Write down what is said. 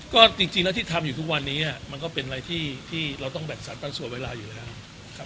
ก็จริงแล้วที่ทำอยู่ทุกวันนี้มันก็เป็นอะไรที่เราต้องแบ่งสรรปันส่วนเวลาอยู่แล้วครับ